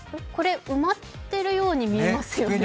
埋まってるように見えますよね。